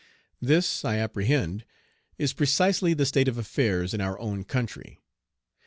This, I apprehend, is precisely the state of affairs in our own country.